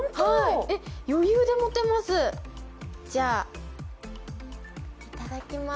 余裕で持てます。